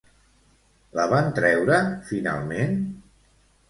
La van treure finalment?